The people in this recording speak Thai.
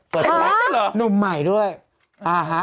เปิดตัวแฟนใหม่ด้วยเหรอหนุ่มใหม่ด้วยอ่าฮะ